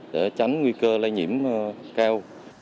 để tránh nguy cơ lây nhiễm cao